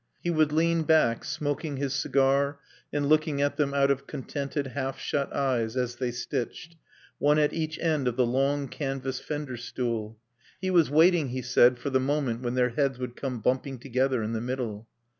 He would lean back, smoking his cigar and looking at them out of contented, half shut eyes, as they stitched, one at each end of the long canvas fender stool. He was waiting, he said, for the moment when their heads would come bumping together in the middle.